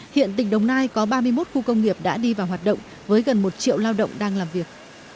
hiện tỉnh đồng nai có ba mươi một khu công nghiệp đã đi vào hoạt động với gần một triệu lao động đang làm việc